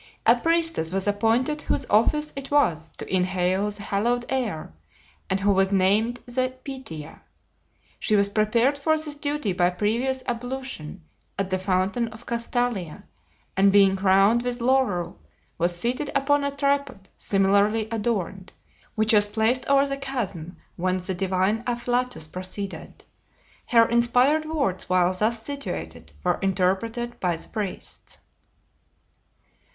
A priestess was appointed whose office it was to inhale the hallowed air, and who was named the Pythia. She was prepared for this duty by previous ablution at the fountain of Castalia, and being crowned with laurel was seated upon a tripod similarly adorned, which was placed over the chasm whence the divine afflatus proceeded. Her inspired words while thus situated were interpreted by the priests.